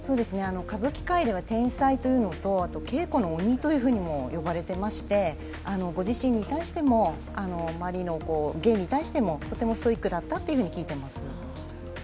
歌舞伎界では天才というのと、あと稽古の鬼とも呼ばれていまして、ご自身に対しても周りの芸に対してもとてもストイックだったというふうに聞いています。